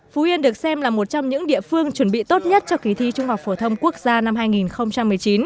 phú yên được xem là một trong những địa phương chuẩn bị tốt nhất cho kỳ thi trung học phổ thông quốc gia năm hai nghìn một mươi chín